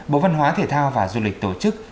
bộ văn hóa thể thao và du lịch tổ chức